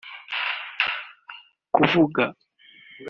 Kuvuga